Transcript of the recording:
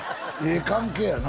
ええ関係やな